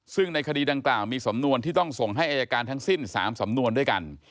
ซึ่งในคดีดังกล่าวมีสำนวนที่ต้องส่งให้อายการทั้งสิ้น๓สำนวนด้วยกัน